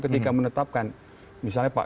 ketika menetapkan misalnya pak